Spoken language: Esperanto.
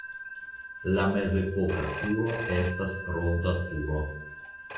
La mezepoka turo estas ronda turo.